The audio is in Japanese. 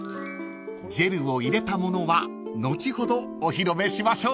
［ジェルを入れたものは後ほどお披露目しましょう］